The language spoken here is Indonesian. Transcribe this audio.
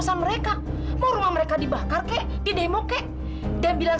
sampai jumpa di video selanjutnya